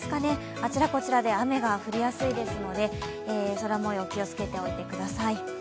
あちらこちらで雨が降りやすいですので空もよう気をつけておいてください。